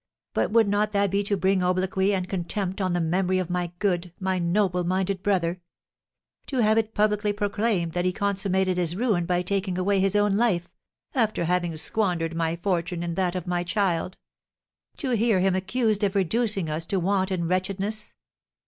But would not that be to bring obloquy and contempt on the memory of my good, my noble minded brother; to have it publicly proclaimed that he consummated his ruin by taking away his own life, after having squandered my fortune and that of my child; to hear him accused of reducing us to want and wretchedness?